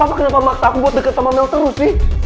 pakapa kenapa maksa aku buat deket sama mel terus sih